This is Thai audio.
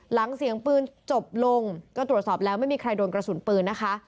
เสียงปืนจบลงก็ตรวจสอบแล้วไม่มีใครโดนกระสุนปืนนะคะ